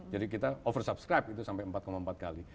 jadi kita oversubscribe itu sampai empat empat kali